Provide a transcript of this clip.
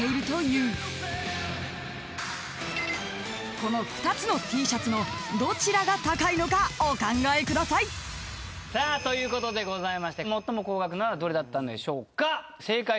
［この２つのＴシャツのどちらが高いのかお考えください］さあということでございまして最も高額なのはどれでしょうか？